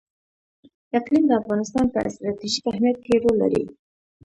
اقلیم د افغانستان په ستراتیژیک اهمیت کې رول لري.